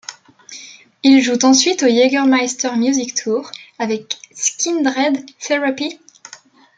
Ils jouent ensuite au Jägermeister Music Tour, avec Skindred, Therapy?